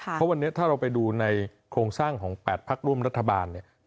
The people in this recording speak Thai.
เพราะวันนี้ถ้าเราไปดูในโครงสร้างของ๘พักร่วมรัฐบาลเนี่ย